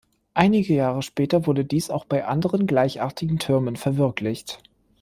Einige Jahre später wurde dies auch bei anderen gleichartigen Türmen verwirklicht.